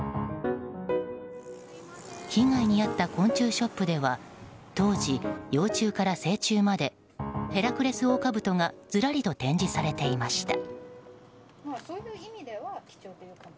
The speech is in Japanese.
被害に遭った昆虫ショップでは当時、幼虫から成虫までヘラクレスオオカブトがずらりと展示されていました。